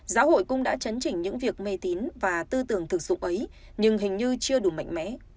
giáo hội cũng đã chấn chỉnh những việc mê tín và tư tưởng thực dụng ấy nhưng hình như chưa đủ mạnh mẽ